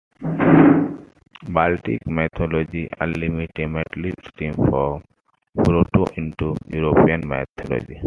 Baltic mythology ultimately stems from Proto-Indo-European mythology.